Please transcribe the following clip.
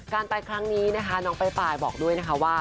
การไปครั้งนี้น้องป้ายบอกด้วยว่า